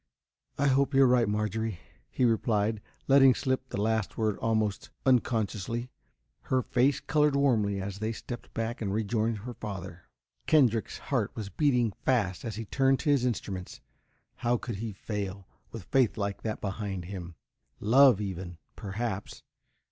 "I hope you're right Marjorie!" he replied, letting slip the last word almost unconsciously. Her face colored warmly as the stepped back and rejoined her father. Kendrick's heart was beating fast as he turned to his instruments. How could he fail, with faith like that behind him? love, even, perhaps!